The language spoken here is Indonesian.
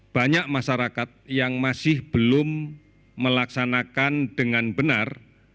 banyak masyarakat yang masih belum melaksanakan dengan benar